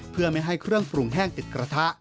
เพื่อไม่ให้เครื่องปรุงแห้งติดกระทะ